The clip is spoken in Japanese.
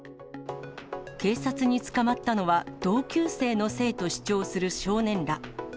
警察に捕まったのは、同級生のせいと主張する少年ら。